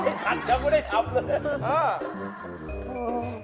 หักก็ได้ทำเลย